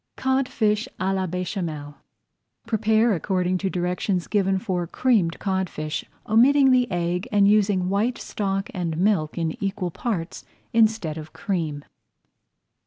CODFISH À LA BÉCHAMEL Prepare according to directions given for Creamed Codfish, omitting the egg and using white stock and milk in equal parts instead of cream.